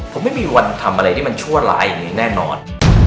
ผมไม่มีวันทำอะไรที่มันชั่วร้ายอย่างนี้แน่นอน